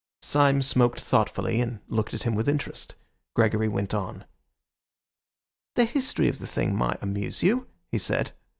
Syme smoked thoughtfully, and looked at him with interest. Gregory went on. "The history of the thing might amuse you," he said.